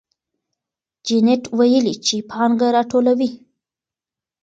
جینت ویلي چې پانګه راټولوي.